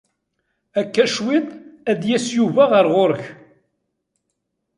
Akka cwiṭ ad d-yas Yuba ɣer ɣur-k.